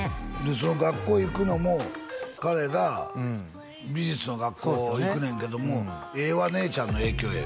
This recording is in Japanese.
その学校行くのも彼が美術の学校行くねんけども「絵は姉ちゃんの影響や」